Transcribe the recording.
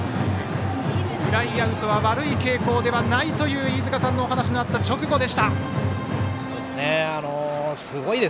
フライアウトは悪い傾向ではないという飯塚さんのお話の直後でした。